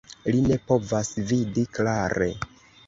Li ne povas vidi klare.